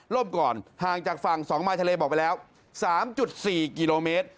ก่อนห่างจากฝั่ง๒มายทะเลบอกไปแล้ว๓๔กิโลเมตร